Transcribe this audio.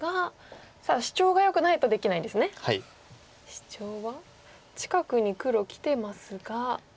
シチョウは近くに黒きてますが。